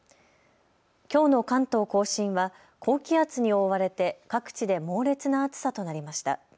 きょうの関東甲信は高気圧に覆われて各地で猛烈な暑さとなりました。